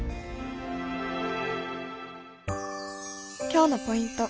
今日のポイント